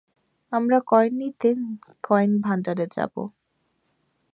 আমরা কয়েন নিতে কয়েন ভান্ডারে যাব।